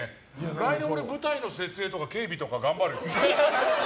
来年は俺、舞台の設営とか警備とか頑張るよ。